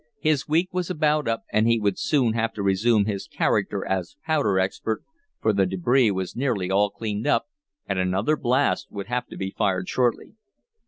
His week was about up, and he would soon have to resume his character as powder expert, for the debris was nearly all cleaned up, and another blast would have to be fired shortly.